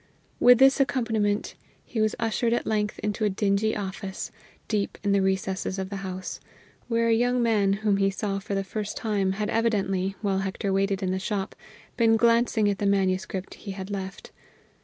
With this accompaniment, he was ushered at length into a dingy office, deep in the recesses of the house, where a young man whom he saw for the first time had evidently, while Hector waited in the shop, been glancing at the manuscript he had left.